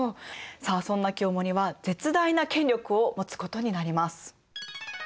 さあそんな清盛は絶大な権力を持つことになります。